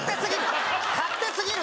勝手すぎる！